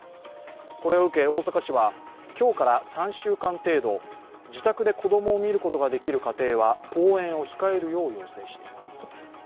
これを受け大阪市は今日から３週間程度、自宅で子供を見ることができる家庭は登園を控えるよう要請しています。